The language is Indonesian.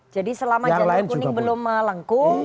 jadi selama jadwal kuning belum melengkung